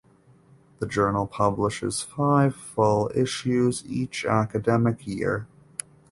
The journal publishes five full issues each academic year.